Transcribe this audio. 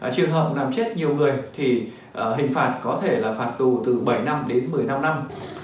trường hợp làm chết nhiều người thì hình phạt có thể là phạt tù từ bảy năm đến một mươi năm năm